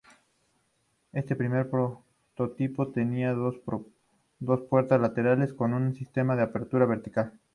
Este primer prototipo tenía dos puertas laterales con un sistema de apertura vertical.